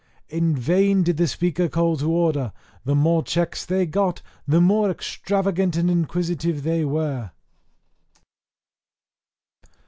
In vain did the Speaker call to order; the more checks they got the more extravagant and inquisitive they were.